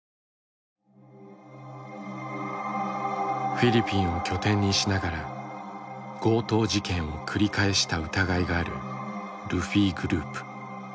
フィリピンを拠点にしながら強盗事件を繰り返した疑いがあるルフィグループ。